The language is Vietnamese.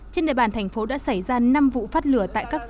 trên địa bàn thành phố đã xảy ra năm vụ phát lửa tại cấp bốn